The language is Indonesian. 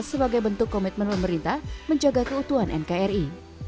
sebagai bentuk komitmen pemerintah menjaga keutuhan nkri